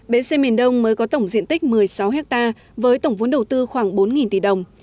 bến xe miền đông mới có tổng diện tích một mươi sáu hectare với tổng vốn đầu tư khoảng bốn tỷ đồng